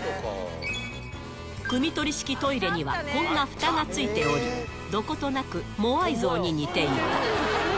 くみ取り式トイレにはこんなふたがついており、どことなくモアイ像に似ている。